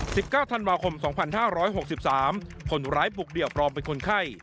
สิบเก้าธันวาคมสองพันห้าร้อยหกสิบสามคนร้ายบุกเดี่ยวปลอมเป็นคนไข้